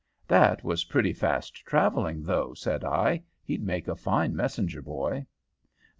"That was pretty fast travelling, though," said I. "He'd make a fine messenger boy."